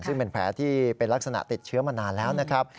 ซึ่งเป็นแผลที่เป็นลักษณะติดเชื้อมานานแล้วนะครับ